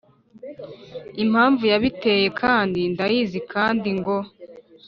impamvu yabiteye kandi ndayizi kandi ngo